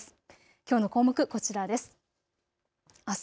きょうの項目こちらです。